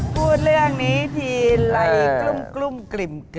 พูดเรื่องนี้ทีไหลกลุ้มกลิ่ม